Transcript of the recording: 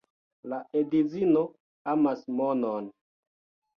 La edzino amas monon.